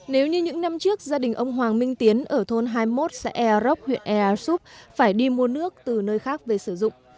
nếu như những năm trước gia đình ông hoàng minh tiến ở thôn hai mươi một xã ea rốc huyện ea súp phải đi mua nước từ nơi khác về sử dụng